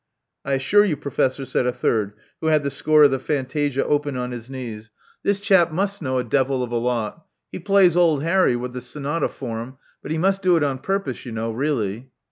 I assure you, Professor," said a third, who had the score of the fantasia open on his knees, this chap Love Among the Artists 183 must know a devil of a lot. He plays old Harry with the sonata form ; but he must do it on purpose, you know, really."